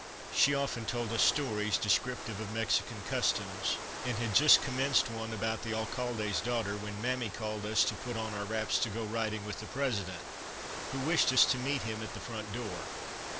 She often told us stories descriptive of Mexican customs, and had just commenced one about the Alcalde's daughter when Mammy called us to put on our wraps to go riding with the President, who wished us to meet him at the front door.